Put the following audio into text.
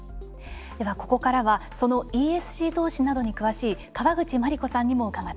ではここからはそのＥＳＧ投資などに詳しい河口真理子さんにも伺っていきます。